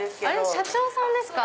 社長さんですか？